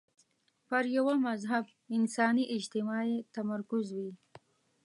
پر یوه مهذب انساني اجتماع یې تمرکز وي.